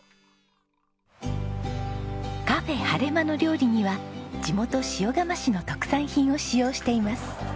カフェはれまの料理には地元塩竈市の特産品を使用しています。